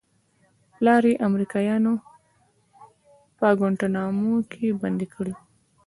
پلار يې امريکايانو په گوانټانامو کښې بندي کړى و.